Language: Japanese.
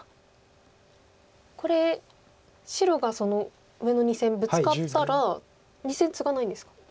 これ白が上の２線ブツカったら２線ツガないんですか？